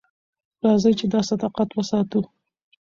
راځئ چې دا صداقت وساتو.